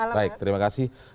baik terima kasih